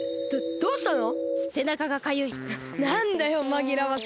どうしたの？